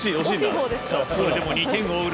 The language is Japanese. それでも２点を追う